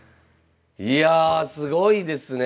いやすごいですねえ。